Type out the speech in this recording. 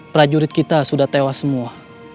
prajurit kita sudah tewas semua